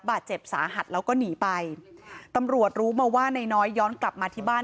บาดเจ็บสาหัสแล้วก็หนีไปตำรวจรู้มาว่านายน้อยย้อนกลับมาที่บ้าน